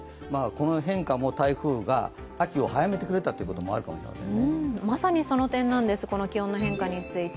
この辺かも台風が、秋を早めてくれたというところもあるかもしれないです。